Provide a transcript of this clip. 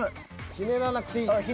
ひねらなくていいから。